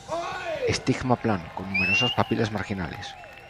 Estigma plano, con numerosas papilas marginales.